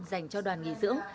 dành cho đoàn nghỉ dưỡng